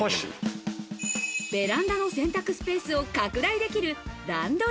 ベランダの洗濯スペースを拡